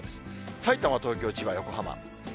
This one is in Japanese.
さいたま、東京、千葉、横浜。